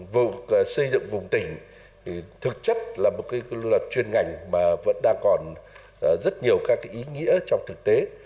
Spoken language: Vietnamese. vụ xây dựng vùng tỉnh thực chất là một cái chuyên ngành mà vẫn đang còn rất nhiều các ý nghĩa trong thực tế